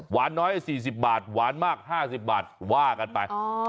น้อย๔๐บาทหวานมาก๕๐บาทว่ากันไป